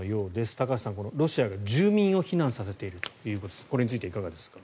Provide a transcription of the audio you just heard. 高橋さん、ロシアが住民を避難させているということですがこれについていかがですか？